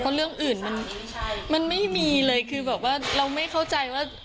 เพราะเรื่องอื่นมันไม่มีเลยคือแบบว่าเราไม่เข้าใจว่า